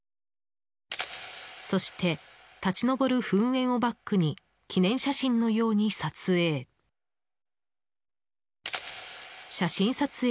そして、立ち上る噴煙をバックに記念写真のように撮影。